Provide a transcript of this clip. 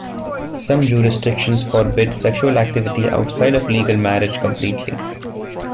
Some jurisdictions forbid sexual activity outside of legal marriage completely.